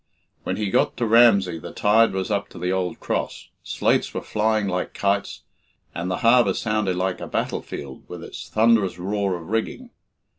When he got to Ramsey the tide was up to the old cross, slates were flying like kites, and the harbour sounded like a battlefield with its thunderous roar of rigging.